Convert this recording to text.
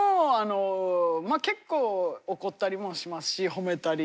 結構怒ったりもしますし褒めたり。